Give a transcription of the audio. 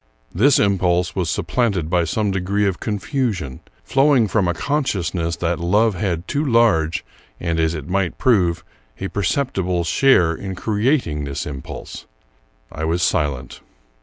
This impulse was supplanted by some degree of confusion, flowing from a consciousness that love had too large, and, as it might prove, a percepti ble, share in creating this impulse. I was silent.